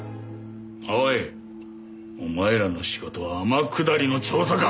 おいお前らの仕事は天下りの調査か！